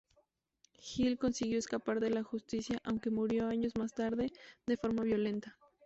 Hill consiguió escapar de la justicia aunque murió años más tarde de forma violenta.